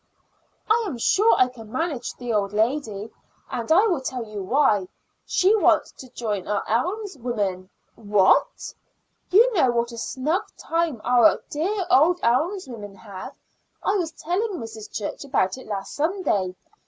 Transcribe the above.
"I am sure I can manage the old lady, and I will tell you why. She wants to join our alms women." "What?" "You know what a snug time our dear old alms women have. I was telling Mrs. Church about it last Sunday.